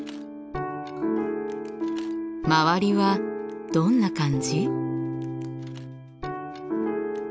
周りはどんな感じ？